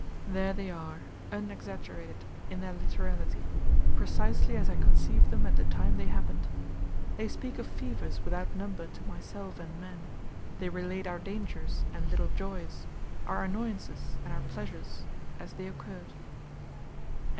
There they are, unexaggerated, in their literality, precisely as I conceived them at the time they happened. They speak of fevers without number to myself and men, they relate our dangers, and little joys, our annoyances and our pleasures, as they occurred.